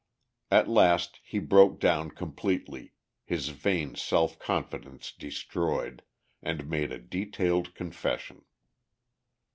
At last he broke down completely, his vain self confidence destroyed, and made a detailed confession.